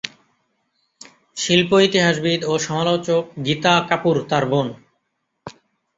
শিল্প ইতিহাসবিদ ও সমালোচক গীতা কাপুর তার বোন।